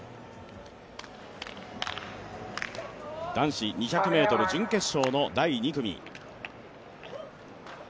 男子２００ｍ準決勝の第２組。